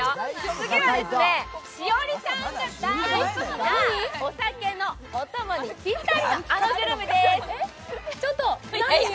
次は栞里さんが大好きなお酒のお供にぴったりなあのグルメです！